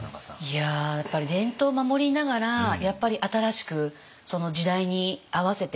いややっぱり伝統を守りながらやっぱり新しくその時代に合わせて変化していくって。